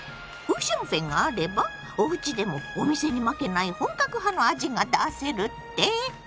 「五香粉があればおうちでもお店に負けない本格派の味が出せる」って⁉